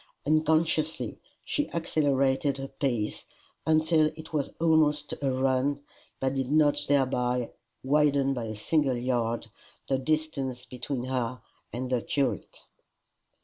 Unconsciously she accelerated her pace until it was almost a run, but did not thereby widen by a single yard the distance between her and the curate.